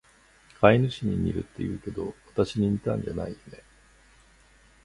飼い主に似るって言うけど、わたしに似たんじゃないよね？